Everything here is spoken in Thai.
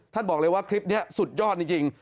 บอกเลยว่าคลิปนี้สุดยอดจริง